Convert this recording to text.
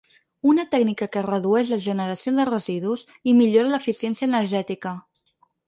Una tècnica que redueix la generació de residus i millora l’eficiència energètica.